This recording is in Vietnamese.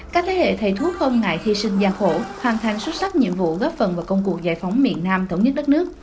các thế hệ thầy thuốc không ngại hy sinh gian khổ hoàn thành xuất sắc nhiệm vụ góp phần vào công cuộc giải phóng miền nam thống nhất đất nước